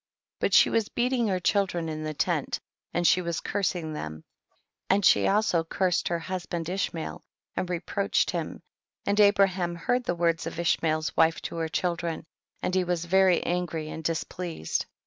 28. But she was beating her chil dren in the tent, and she was curs ing them, and she also cursed her husband Ishmael and reproached him, and Abraham heard the words of fshmael's wife to her children, and he was very angry and dis pleased, 29.